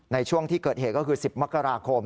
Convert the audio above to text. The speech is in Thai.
ในช่วงที่เกิดเหตุก็คือ๑๐มกราคม